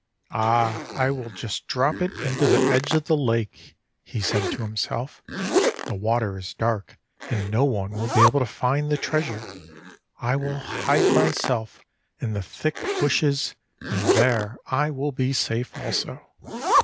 "'Ah! I will just drop it into the edge of the lake,' he said to himself. 'The water is dark and no one will be able to find the Treasure. I will hide myself in the thick bushes, and there I will be safe also.